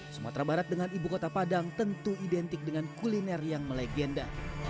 sumatera barat dengan ibu kota padang tentu identik dengan kuliner yang melegenda